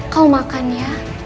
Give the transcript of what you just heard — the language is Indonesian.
kau makan ya